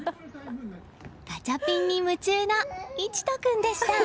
ガチャピンに夢中のいちと君でした。